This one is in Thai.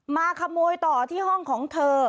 มาขโมยต่อที่ห้องของเธอ